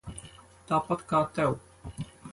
Tāpat kā tev.